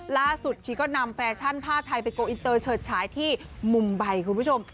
ชีก็นำแฟชั่นผ้าไทยไปโกอินเตอร์เฉิดฉายที่มุมใบคุณผู้ชม